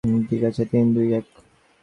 ঠিক আছে, তিন, দুই, এক।